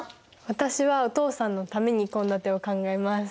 私はお父さんのために献立を考えます。